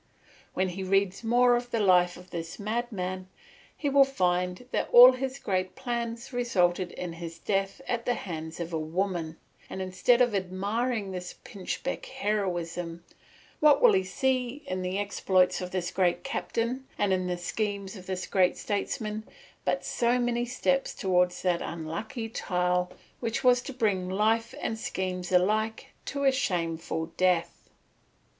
When he reads more of the life of this madman, he will find that all his great plans resulted in his death at the hands of a woman, and instead of admiring this pinchbeck heroism, what will he see in the exploits of this great captain and the schemes of this great statesman but so many steps towards that unlucky tile which was to bring life and schemes alike to a shameful death?